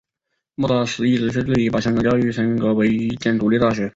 莫礼时一直却致力于把香港教育学院升格为一间独立的大学。